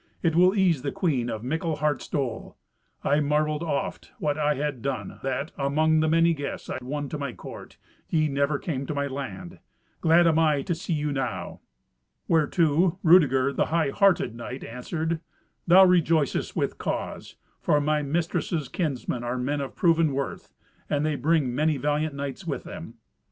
It will ease the queen of mickle heart's dole. I marvelled oft what I had done, that, among the many guests I won to my court, ye never came to my land. Glad am I to see you now." Whereto Rudeger, the high hearted knight, answered, "Thou rejoicest with cause, for my mistress's kinsmen are men of proven worth, and they bring many valiant knights with them."